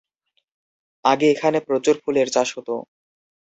আগে এখানে প্রচুর ফুলের চাষ হতো।